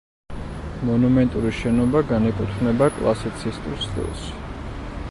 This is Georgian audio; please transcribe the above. მონუმენტური შენობა განეკუთვნება კლასიცისტურ სტილს.